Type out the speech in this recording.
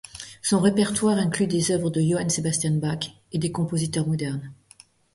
Son répertoire inclut des œuvres de Johann Sebastian Bach et des compositeurs modernes.